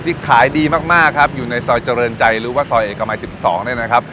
ขายดีมากครับอยู่ในซอยเจริญใจหรือว่าซอยเอกมัย๑๒เนี่ยนะครับ